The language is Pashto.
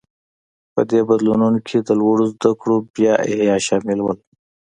په دې بدلونونو کې د لوړو زده کړو بیا احیا شامل و.